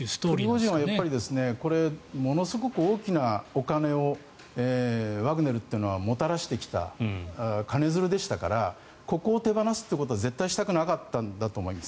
プリゴジンはものすごく大きなお金をワグネルというのはもたらしてきた金づるでしたからここを手放すことは絶対したくなかったんだと思います。